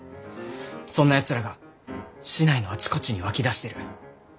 そんなやつらが市内のあちこちに湧きだしてる。